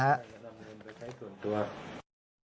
หลังหลุมเขาไปใช้ส่วนตัว